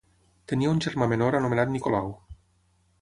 Tenia un germà menor anomenat Nicolau.